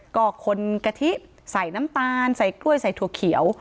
ก็คนกะทิใส่น้ำตาลใส่กล้วยใส่ถั่วเขียว